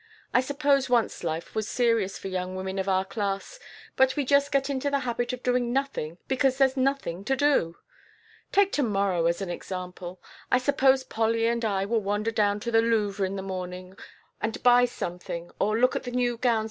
I suppose once life was serious for young women of our class; but we just get into the habit of doing nothing because there's nothing to do. Take to morrow as an example: I suppose Polly and I will wander down to The Louvre in the morning and buy something or look at the new gowns M.